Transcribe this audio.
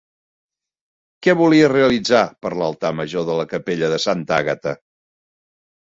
Què volia realitzar per l'altar major de la capella de Santa Àgata?